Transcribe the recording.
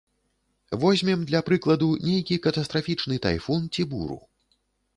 Возьмем, для прыкладу, нейкі катастрафічны тайфун ці буру.